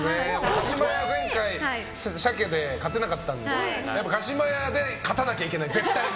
加島屋、前回、鮭で勝てなかったので加島屋で勝たなきゃいけない絶対。